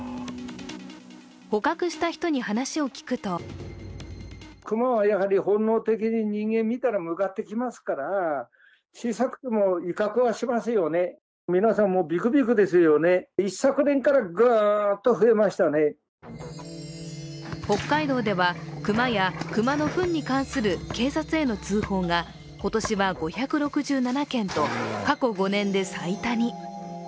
捕獲した人に話を聞くと北海道では熊や熊のふんに関する警察への通報が今年は５６７件と過去５年で最多に。